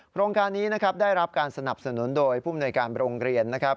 โครงการนี้นะครับได้รับการสนับสนุนโดยผู้มนวยการโรงเรียนนะครับ